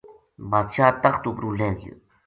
بادشاہ تخت اُپروں لہہ گیو